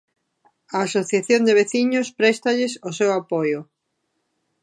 A asociación de veciños préstalles o seu apoio.